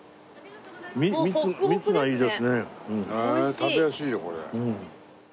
食べやすいよこれ。